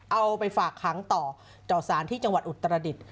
เอาไปฝากค้างต่อต่อสารที่จังหวัดอุตรดิษฐ์